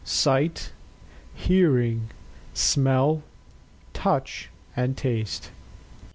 _, sight, hearing, smell, touch, and taste.